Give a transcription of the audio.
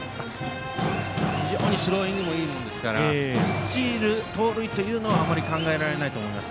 非常にスローイングもいいものですから盗塁というのはあまり考えられないと思います。